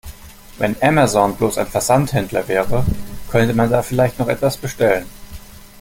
Wenn Amazon bloß ein Versandhändler wäre, könnte man da vielleicht noch etwas bestellen.